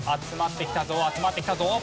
集まってきたぞ集まってきたぞ。